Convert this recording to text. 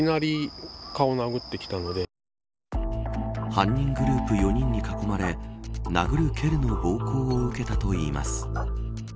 犯人グループ４人に囲まれ殴る蹴るの暴行を受けたといいます。